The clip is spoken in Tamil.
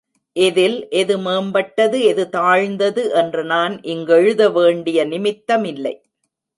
இதில் எது மேம்பட்டது, எது தாழ்ந்தது என்று நான் இங்கெழுத வேண்டிய நிமித்தமில்லை.